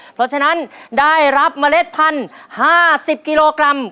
เพราะฉะนั้นได้รับเมล็ดพันธุ์๕๐กิโลกรัม